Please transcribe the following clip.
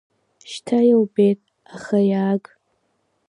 Шьҭа илбеит, ахав иааг!